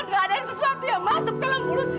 enggak ada yang sesuatu yang masuk dalam mulut mama